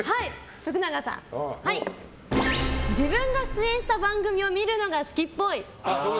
徳永さん、自分が出演した番組を見るのが好きっぽい。